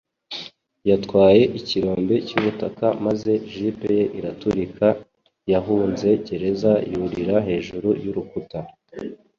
Yatwaye ikirombe cy'ubutaka maze jip ye iraturika. Yahunze gereza yurira hejuru y'urukuta.